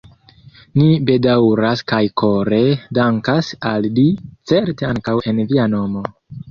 Ni bedaŭras kaj kore dankas al li, certe ankaŭ en via nomo.